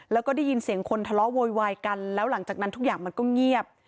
แล้วก็ได้ยินเสียงคนทะเลาะโวยวายกันแล้วหลังจากนั้นทุกอย่างมันก็เงียบ